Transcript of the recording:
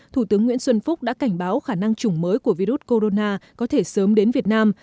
thủ tướng nguyễn xuân phúc đã cảnh báo khả năng chủng mới của virus corona có thể sớm đến việt nam